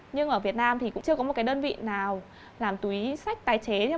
nhưng ở việt nam thì cũng chưa có một cái đơn vị nào làm túi sách tái chế